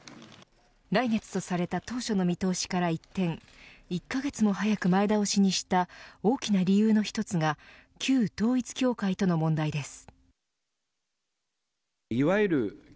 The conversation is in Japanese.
来月とされた当初の見通しから一転１カ月も早く前倒しにした大きな理由の一つが旧統一教会との問題です。